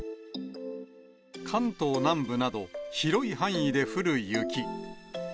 関東南部など、広い範囲で降る雪。